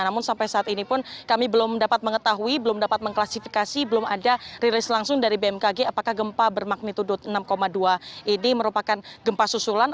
namun sampai saat ini pun kami belum dapat mengetahui belum dapat mengklasifikasi belum ada rilis langsung dari bmkg apakah gempa bermagnitudo enam dua ini merupakan gempa susulan